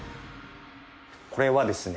これはですね